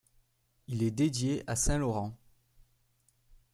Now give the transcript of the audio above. Il est dédié à saint Laurent.